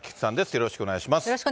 よろしくお願いします。